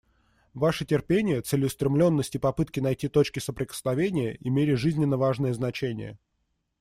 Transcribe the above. Ваши терпение, целеустремленность и попытки найти точки соприкосновения имели жизненно важное значение.